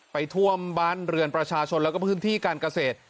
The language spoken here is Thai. ท่วมบ้านเรือนประชาชนแล้วก็พื้นที่การเกษตร